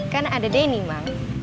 kan ada denny mang